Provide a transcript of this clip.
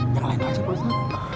jangan lagi ngasih pak ustadz